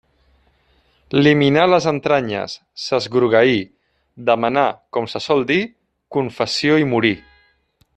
Li minà les entranyes, s'esgrogueí, demanà, com se sol dir, confessió i morí.